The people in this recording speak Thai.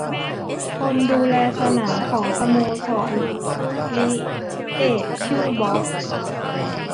คนดูแลสนามของสโมสรคริกเกตชื่อบ๊อบ